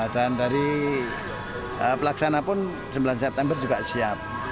dan dari pelaksana pun sembilan september juga siap